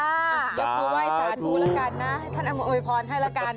ยกตัวไหว้สาธุละกันนะท่านอำนวยพรให้ละกัน